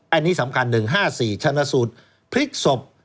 อันนี้สำคัญ๑๕๔ชนะสูตรพลิกศพ